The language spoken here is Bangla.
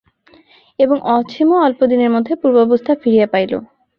এবং অছিমও অল্পদিনের মধ্যে পূর্বাবস্থা ফিরিয়া পাইল।